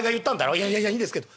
「いやいやいやいいんですけど。